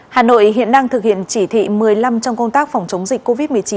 hà nội hiện đang thực hiện chỉ thị một mươi năm trong công tác phòng chống dịch covid một mươi chín